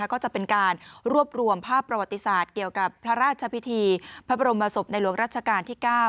ก็จะเป็นการรวบรวมภาพประวัติศาสตร์เกี่ยวกับพระราชพิธีพระบรมศพในหลวงรัชกาลที่๙